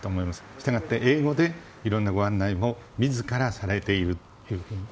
したがって英語でいろんなご案内も自らされていると。